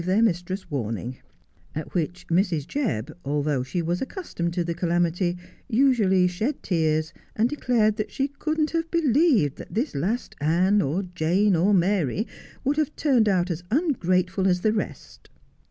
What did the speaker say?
their mistress warning ; at which Mrs. Jebb, although she was accustomed to the calamity, usually shed tears, and declared that she couldn't have believed this last Ann, or Jane, or Mary, would have turned out as ungrateful as the rest.